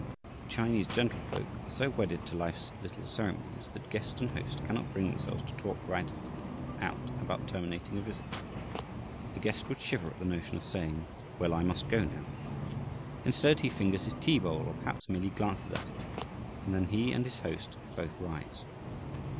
The Chinese gentlefolk are so wedded to life's little ceremonies that guest and host cannot bring themselves to talk right out about terminating a visit. The guest would shiver at the notion of saying, "Well, I must go, now." Instead, he fingers his tea bowl, or perhaps merely glances at it; and then he and his host both rise.